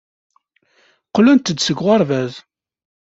Qqlent-d seg uɣerbaz.